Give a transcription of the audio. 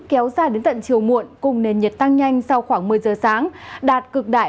kéo dài đến tận chiều muộn cùng nền nhiệt tăng nhanh sau khoảng một mươi giờ sáng đạt cực đại